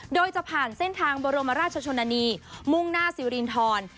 โดยจะผ่านเส้นทางบรมราชชนนานีมุ่งหน้าสิรินทร